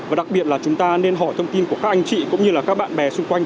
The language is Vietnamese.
và đặc biệt là chúng ta nên hỏi thông tin của các anh chị cũng như là các bạn bè xung quanh